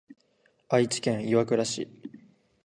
愛知県岩倉市